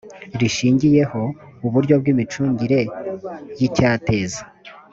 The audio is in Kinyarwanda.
rishingiyeho uburyo bw imicungire y icyateza